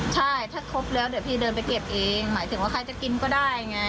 ใช่ถ้าครบแล้วเดี๋ยวพี่เดินไปเก็บเองหมายถึงว่าใครจะกินก็ได้ไง